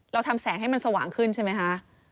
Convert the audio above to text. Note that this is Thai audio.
เราทำแสงให้มันสว่างขึ้นใช่ไหมคะ